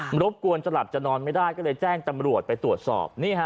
รบกวนจะหลับจะนอนไม่ได้ก็เลยแจ้งตำรวจไปตรวจสอบ